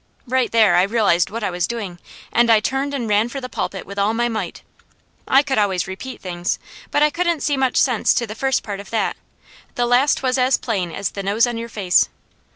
Right there I realized what I was doing, and I turned and ran for the pulpit with all my might. I could always repeat things, but I couldn't see much sense to the first part of that; the last was as plain as the nose on your face.